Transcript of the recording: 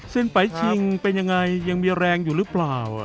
ไปชิงเป็นยังไงยังมีแรงอยู่หรือเปล่า